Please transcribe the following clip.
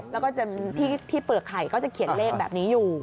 แล้วก็ที่เปลือกไข่ก็จะเขียนเลขแบบนี้อยู่